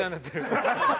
ハハハハ！